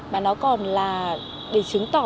mà nó còn là để chứng tỏ